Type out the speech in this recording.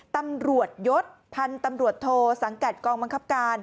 ตำรวจยศพันธุ์ตำรวจโทสังกัดกองบังคับการ